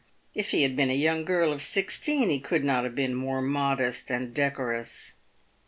If he had been a young girl of sixteen he could not have been more modest and decorous.